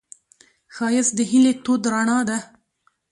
ښایست د هیلې تود رڼا ده